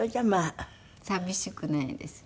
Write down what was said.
寂しくないですね。